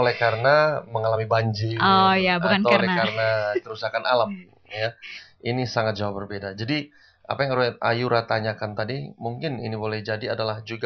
hanya beberapa tahun lagi